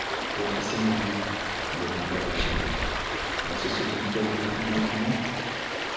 Votre Seigneurie, demanda le shériff, ne se souvient-elle d’aucun autre nom?